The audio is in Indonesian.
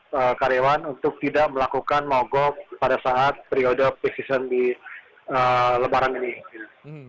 dan juga karyawan untuk tidak melakukan mogok pada saat periode oksesion di lebaran ini